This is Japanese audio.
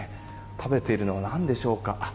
食べているのは何でしょうか。